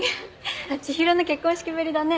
千広の結婚式ぶりだね。